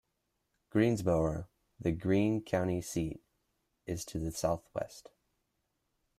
Greensboro, the Greene County seat, is to the southwest.